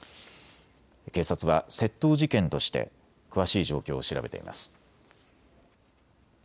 警察は窃盗事件として詳しい状況を調べています。